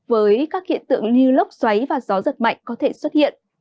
với các hiện tượng như lốc xoáy và gió giật mạnh có thể xuất hiện